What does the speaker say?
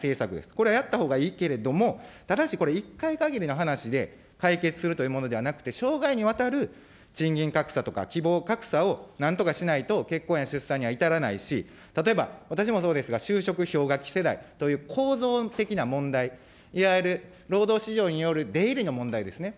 これはやったほうがいいけれども、ただしこれ１回限りの話で、解決するというものではなくて、生涯にわたる賃金格差とか希望格差をなんとかしないと結婚や出産には至らないし、例えば私もそうですが、就職氷河期世代という構造的な問題、いわゆる労働市場による出入りの問題ですね。